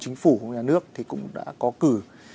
chính phủ nhà nước thì cũng đã có cử